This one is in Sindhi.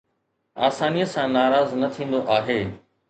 آسانيءَ سان ناراض نه ٿيندو آهي